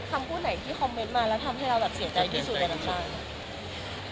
คำพูดไหนที่คอมเมนต์มาแล้วทำให้เราแบบเสียใจที่สุดในน้ำใจ